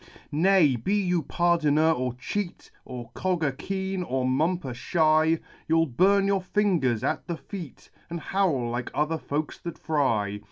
Nay, be you pardoner or cheat. Or cogger keen, or mumper shy. You'll burn your fingers at the feat, And howl like other folks that fry.